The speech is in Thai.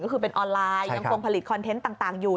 ก็คือเป็นออนไลน์ยังคงผลิตคอนเทนต์ต่างอยู่